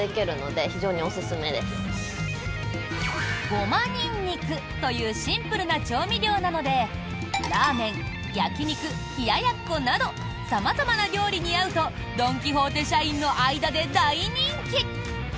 ごまにんにくというシンプルな調味料なのでラーメン、焼き肉冷ややっこなど様々な料理に合うとドン・キホーテ社員の間で大人気！